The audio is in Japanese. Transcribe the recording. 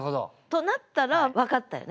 となったら分かったよね？